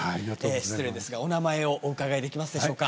失礼ですがお名前をお伺いできますでしょうか。